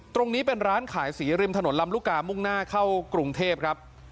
ตรงนี้เป็นร้านขายสีริมถนนลำลูกกามุ่งหน้าเข้ากรุงเทพครับ